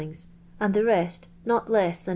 and the lest not le>H ihan >...